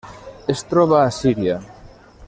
Es troba a Síria.